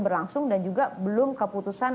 berlangsung dan juga belum keputusan